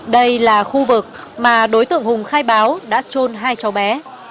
đây là khu vực mà đối tượng hùng khai báo đã trôn hai cháu bé